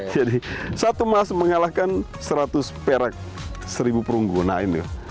jadi satu emas mengalahkan seratus perak seribu perunggu nah ini